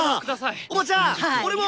おばちゃん俺も！